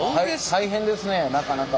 大変ですねなかなか。